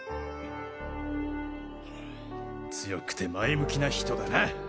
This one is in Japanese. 強くて前向きな人だな。